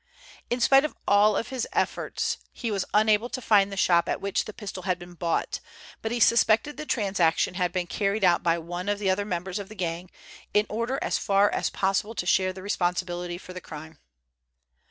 In spite of all his efforts he was unable to find the shop at which the pistol had been bought, but he suspected the transaction had been carried out by one of the other members of the gang, in order as far as possible to share the responsibility for the crime.